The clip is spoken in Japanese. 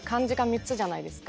じゃないですか。